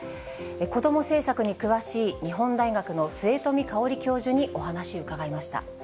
こども政策に詳しい日本大学の末冨芳教授にお話し伺いました。